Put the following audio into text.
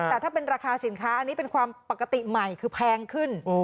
แต่ถ้าเป็นราคาสินค้าอันนี้เป็นความปกติใหม่คือแพงขึ้น